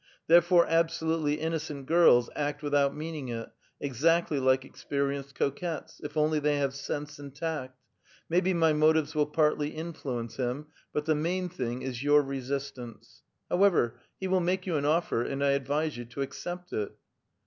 Therefore absolutely innocent girls ■ act without meaning it, exactl}' like experienced coquettes, if only they have sense and tact. Maybe my motives will partly influence him, but the main thing is your resistance. However, he will make you an offer, and I advise 3'ou to accept it."